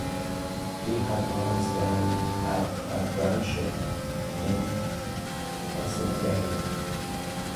He had possessed them at a gun show in Monroeville, Pennsylvania.